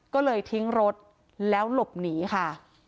ก็เลยทิ้งรถแล้วหลบหนีค่ะ